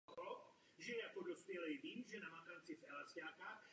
Ostrov je v rukou Ruské pravoslavné církve a přístup na něj je omezený.